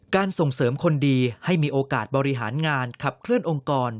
ส่งเสริมคนดีให้มีโอกาสบริหารงานขับเคลื่อนองค์กร